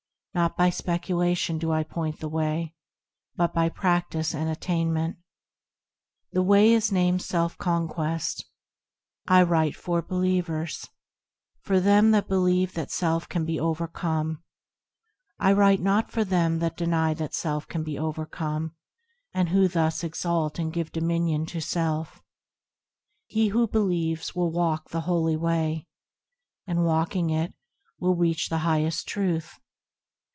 Not by speculation do I point the Way, But by practice and attainment: The Way is named Self conquest. I write for believers, For them that believe that self can be overcome. I write not for them that deny that self can be overcome, And who thus exalt and give dominion to self. He who believes, will walk the holy Way, And, walking it, will reach the highest Truth.